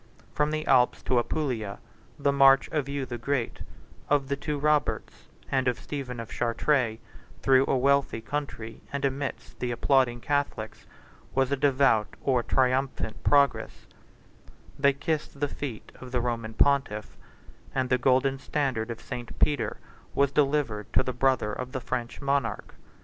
From the Alps to Apulia the march of Hugh the Great, of the two Roberts, and of Stephen of Chartres, through a wealthy country, and amidst the applauding Catholics, was a devout or triumphant progress: they kissed the feet of the Roman pontiff; and the golden standard of St. Peter was delivered to the brother of the French monarch.